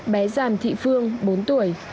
bé giàm thị phương bốn tuổi